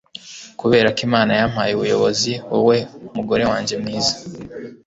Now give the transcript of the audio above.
kuberako imana yampaye ubuyobozi, wowe, mugore wanjye mwiza